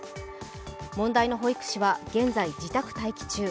問題の保育士は現在、自宅待機中。